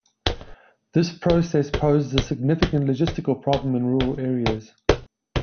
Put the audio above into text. This process poses a significant logistical problem in rural areas.